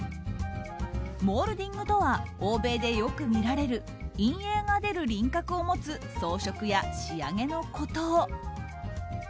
モールディングとは欧米でよく見られる陰影が出る輪郭を持つ装飾や仕上げのこと。